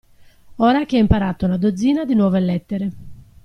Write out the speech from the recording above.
Ora che hai imparato una dozzina di nuove lettere.